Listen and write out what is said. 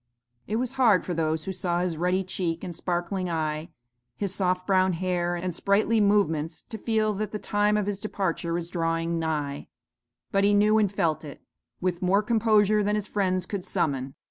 It was hard for those who saw his ruddy cheek and sparkling eye, his soft brown hair, and sprightly movements to feel that the time of his departure was drawing nigh: but he knew and felt it, with more composure than his friends could summon.